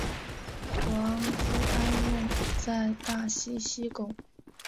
王居安墓在大溪西贡。